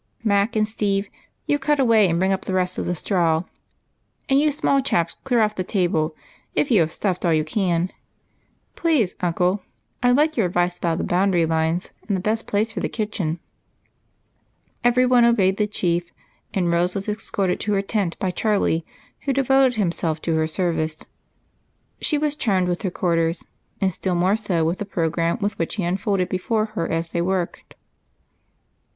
Mac and Steve, you cut away and bring up the rest of the straw ; and you small chaps clear off the table, if you have stuffed all you can. Please, uncle, I 'd like your advice about the boundary lines and the best place for the kitchen." Every one obeyed the Chief, and Rose was escorted to her tent by Charlie, who devoted himself to her service. She was charmed with her quarters, and still more so with the programme which he unfolded before her as they worked.